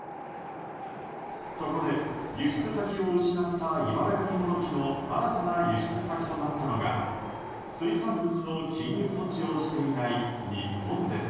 そこで、輸出先を失ったイバラガニモドキの新たな輸出先となったのが水産物の禁輸措置をしていない日本です。